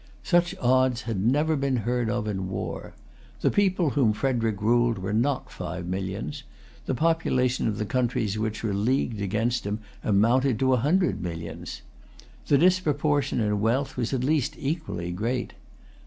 Such odds had never been heard of in war. The people whom Frederic ruled were not five millions. The population of the countries which were leagued against him amounted to a hundred millions. The disproportion in wealth was at least equally great.